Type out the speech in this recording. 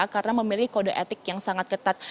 karena memiliki kode etik yang sangat ketat